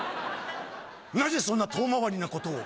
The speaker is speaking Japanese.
なぜそんな遠回りなことを？